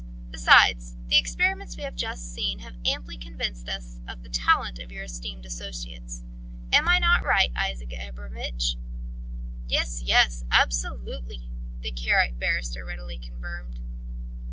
Besides, the experiments we have just seen have amply convinced us of the talent of your esteemed associates... Am I not right, Isaac Abramovich?" "Yes, yes ... absolutely," the Karaite barrister readily confirmed.